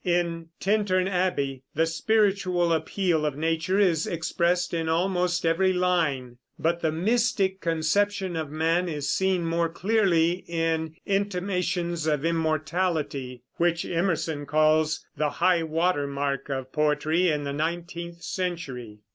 In "Tintern Abbey" the spiritual appeal of nature is expressed in almost every line; but the mystic conception of man is seen more clearly in "Intimations of Immortality," which Emerson calls "the high water mark of poetry in the nineteenth century."